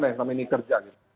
nah yang namanya kerja gitu